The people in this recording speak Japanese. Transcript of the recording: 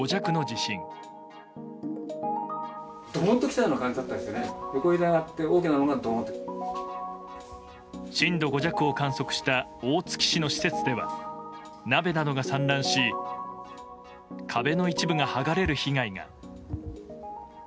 震度５弱を観測した大月市の施設では鍋などが散乱し壁の一部が剥がれる被害が。